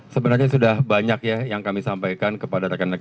sebenarnya sudah banyak ya yang kami sampaikan kepada rekan rekan